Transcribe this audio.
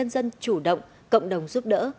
dân chủ động cộng đồng giúp đỡ